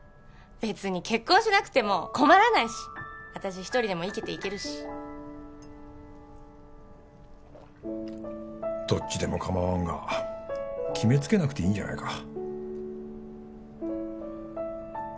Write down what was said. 別に結婚しなくても困らないし私一人でも生きていけるしどっちでもかまわんが決めつけなくていいんじゃないか？